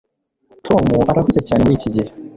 tom arahuze cyane muriki gihe